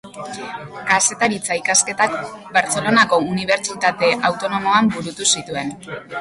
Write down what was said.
Kazetaritza ikasketak Bartzelonako Unibertsitate Autonomoan burutu zituen.